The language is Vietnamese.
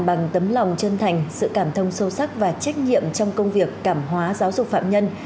với tâm hồn chân thành sự cảm thông sâu sắc và trách nhiệm trong công việc cảm hóa giáo dục phạm nhân